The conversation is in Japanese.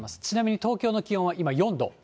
ちなみに東京の気温は今４度。